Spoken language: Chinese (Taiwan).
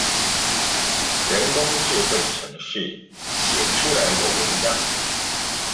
人工智慧程式寫出來的文章